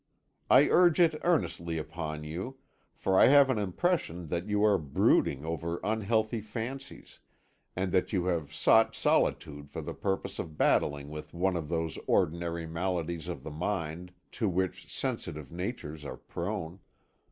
I urge it earnestly upon you, for I have an impression that you are brooding over unhealthy fancies, and that you have sought solitude for the purpose of battling with one of those ordinary maladies of the mind to which sensitive natures are prone.